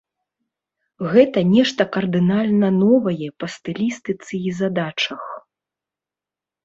Гэта нешта кардынальна новае па стылістыцы і задачах.